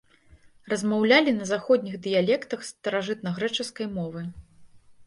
Размаўлялі на заходніх дыялектах старажытнагрэчаскай мовы.